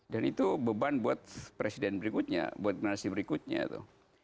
itu beban buat presiden berikutnya buat generasi berikutnya tuh